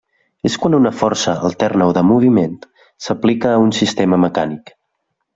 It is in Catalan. És quan una força alterna o de moviment s'aplica a un sistema mecànic.